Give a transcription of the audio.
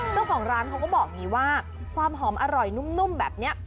เจ้าของร้านเขาก็บอกอย่างนี้ว่าความหอมอร่อยนุ่มแบบนี้